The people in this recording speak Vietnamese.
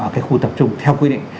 ở các cái khu tập trung theo quy định